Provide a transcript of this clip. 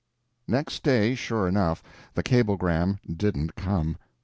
Next day, sure enough, the cablegram didn't come.